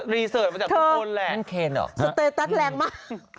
รีเซิร์ชมาจากทุกคนแหละนั่นเคนหรอสเตอร์ตัสแรงมาก